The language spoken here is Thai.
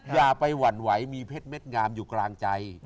อย่าไปหวั่นไหวมีเพชรเม็ดงามอยู่กลางใจ